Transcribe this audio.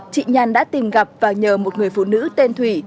chị nhàn đã tìm gặp và nhờ một người phụ nữ tên thủy